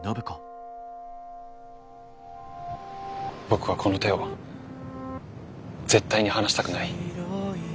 僕はこの手を絶対に離したくない。